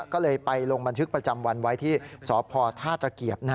ก็เลยไปลงบันทึกประจำวันไว้ที่สพท่าตะเกียบ